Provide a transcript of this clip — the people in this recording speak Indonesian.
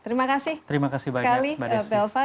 terima kasih sekali belva